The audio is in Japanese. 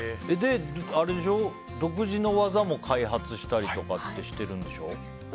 独自の技も開発したりしてるんでしょ。